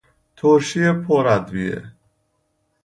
ترشی پر ادویه